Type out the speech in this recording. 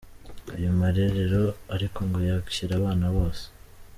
Ayo marerero ariko ngo yakira abana bose.